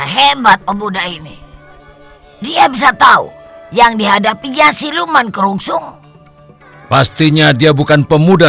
hebat pemuda ini dia bisa tahu yang dihadapi ya siluman kerungsung pastinya dia bukan pemuda